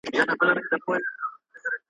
بې وزله خلګ مرستې ته ډېره اړتیا لري.